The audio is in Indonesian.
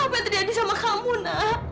apa yang terjadi sama kamu nak